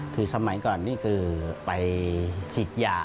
คือสมัยก่อนนี่คือไปสิทธิ์ยา